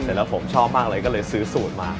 เสร็จแล้วผมชอบมากเลยก็เลยซื้อสูตรมา